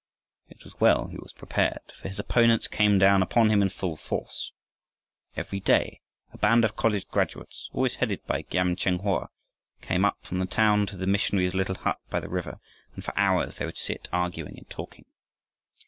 It was well he was prepared, for his opponents came down upon him in full force. Every day a band of college graduates, always headed by Giam Cheng Hoa, came up from the town to the missionary's little hut by the river, and for hours they would sit arguing and talking.